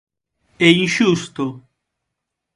E inxusto?